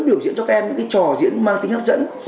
biểu diễn cho các em những cái trò diễn mang tính hấp dẫn